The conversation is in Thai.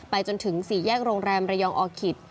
จนถึง๔แยกโรงแรมระยองออคิต